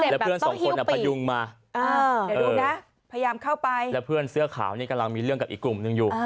แล้วเพื่อนเสื้อขาวนี่กำลังมีเรื่องกับอีกกลุ่มนึงอยู่